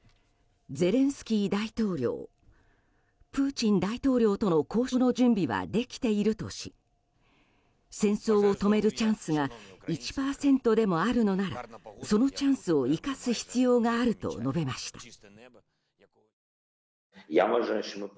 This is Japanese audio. ゼレンスキー大統領プーチン大統領との交渉の準備はできているとし戦争を止めるチャンスが１％でもあるのならそのチャンスを生かす必要があると述べました。